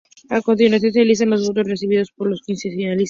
A continuación se listan los votos recibidos por las quince finalistas.